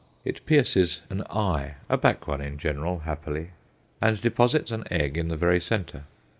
It pierces an "eye" a back one in general, happily and deposits an egg in the very centre.